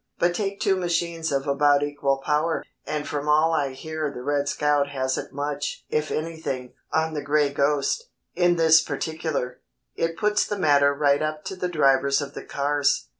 But take two machines of about equal power, and from all I hear the 'Red Scout' hasn't much, if anything, on the 'Gray Ghost' in this particular, it puts the matter right up to the drivers of the cars.